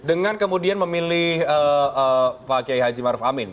dengan kemudian memilih pak kiai haji maruf amin